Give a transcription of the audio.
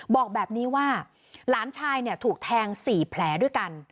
บอกแบบนี้ว่าหลานชายถูกแทง๔แผลด้วยกัน